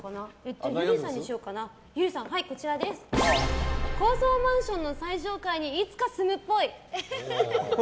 ゆりさん、高層マンションの最上階にいつか住むっぽい。